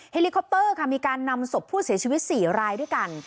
เลิคอปเตอร์ค่ะมีการนำศพผู้เสียชีวิต๔รายด้วยกัน